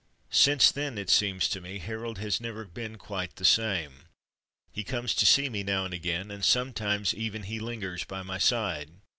Since then, it seems to me, Harold has never been quite the same. He comes to see me now and again, and sometimes even he lingers by my side.